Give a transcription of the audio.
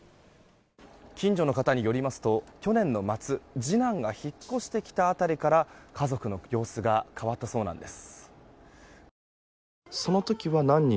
近所の方によりますと去年の末次男が引っ越してきた辺りから家族の様子が変わったそうなんです。